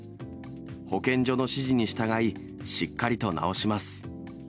保健所の指示に従い、しっかりと治します！